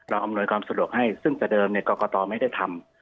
อำนวยความสะดวกให้ซึ่งแต่เดิมกรกตไม่ได้ทำ